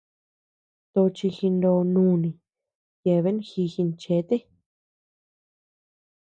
Tochi jino nùni yeaben ji ginchéte.